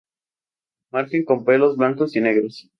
Margen con pelos blancos y negros.